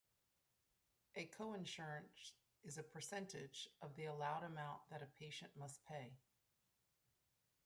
A coinsurance is a percentage of the allowed amount that the patient must pay.